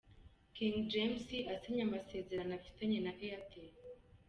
King James asinya amasezerano afitanye na Airtel.